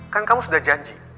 kan kamu sudah janji